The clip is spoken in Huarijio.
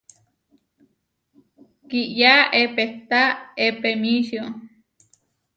Kiyá epehtá epemíčio.